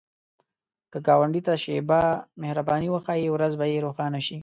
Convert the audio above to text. که ګاونډي ته شیبه مهرباني وښایې، ورځ به یې روښانه شي